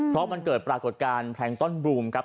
เพราะมันเกิดปรากฏการณ์แพลงต้อนบรูมครับ